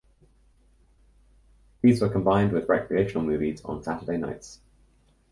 These were combined with recreational movies on Saturday nights.